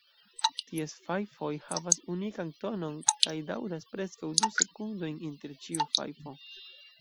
Ties fajfoj havas unikan tonon kaj daŭras preskaŭ du sekundojn inter ĉiu fajfo.